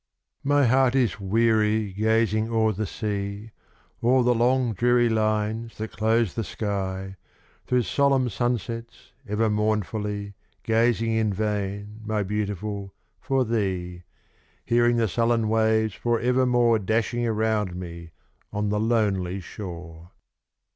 My heart is weary gazing o'er the sea; O'er the long dreary lines that close the sky; Through solemn sun sets ever mournfully, Gazing in vain, my Beautiful, for thee; Hearing the sullen waves for evermore Dashing around me on the lonely shore.